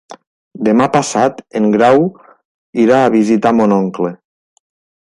Demà passat en Grau irà a visitar mon oncle.